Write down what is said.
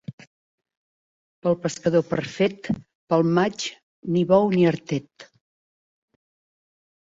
Pel pescador perfet, pel maig, ni bou ni artet.